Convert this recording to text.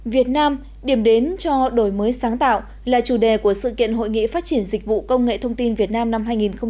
việt nam điểm đến cho đổi mới sáng tạo là chủ đề của sự kiện hội nghị phát triển dịch vụ công nghệ thông tin việt nam năm hai nghìn một mươi chín